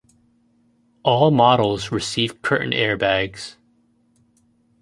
All models receive curtain airbags.